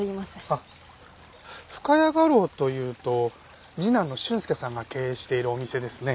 あっ深谷画廊というと次男の俊介さんが経営しているお店ですね。